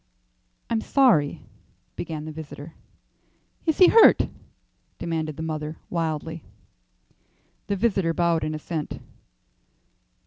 "I'm sorry " began the visitor. "Is he hurt?" demanded the mother, wildly. The visitor bowed in assent.